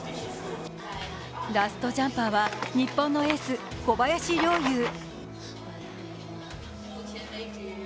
ラストジャンパーは日本のエース・小林陵侑。